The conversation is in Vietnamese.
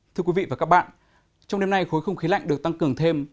thưa quý vị và các bạn trong đêm nay khối không khí lạnh được tăng cường thêm